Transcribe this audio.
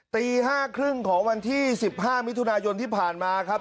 ตี๕๓๐ของวันที่๑๕มิถุนายนที่ผ่านมาครับ